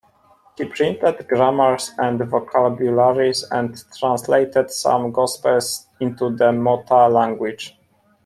He printed grammars and vocabularies and translated some gospels into the Mota language.